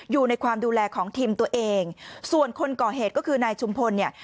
อยู่ในความดูแลของทีมตัวเองส่วนคนก่อเหตุก็คือนายชุมพลเนี่ย